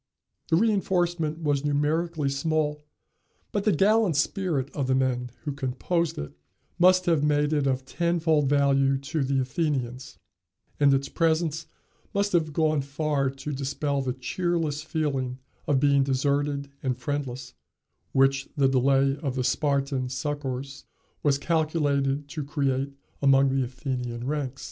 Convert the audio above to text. The reënforcement was numerically small, but the gallant spirit of the men who composed it must have made it of tenfold value to the Athenians, and its presence must have gone far to dispel the cheerless feeling of being deserted and friendless, which the delay of the Spartan succors was calculated to create among the Athenian ranks.